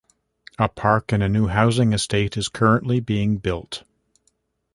A park and a new housing estate is currently being built.